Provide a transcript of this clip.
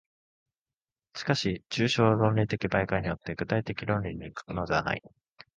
しかし抽象論理的媒介によって具体的論理に行くのではない。